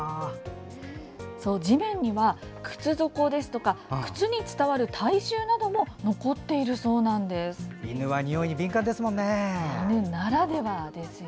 地面には、靴底ですとか靴に伝わる体臭なども残ってるそうですよ。